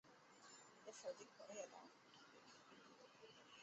由中日本高速公路管理。